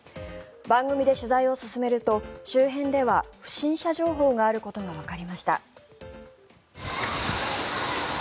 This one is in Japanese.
番組で取材を進めると周辺では不審者情報があることがわかりました。